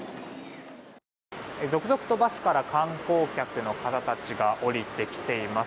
続々とバスから観光客の方たちが降りてきています。